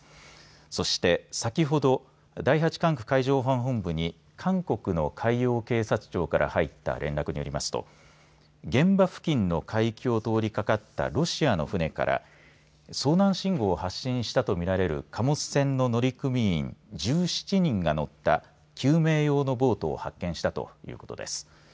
そして、先ほど第８管区海上保安本部に韓国の海洋警察庁から入った連絡によりますと現場付近の海峡を通りかかったロシアの船から遭難信号を発信したとみられる貨物船の乗組員１７人が乗った救命用のボートを発見したということです。